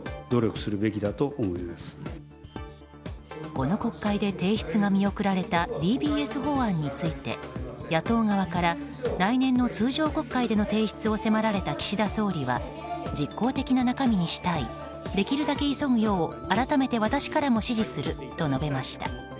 この国会で提出が見送られたＤＢＳ法案について野党側から来年の通常国会での提出を迫られた岸田総理は実効的な中身にしたいできるだけ急ぐよう改めて私からも指示すると述べました。